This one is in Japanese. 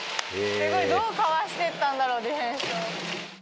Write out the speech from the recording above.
すごい、どうかわしていったんだろう、ディフェンスを。